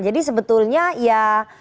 jadi sebetulnya ya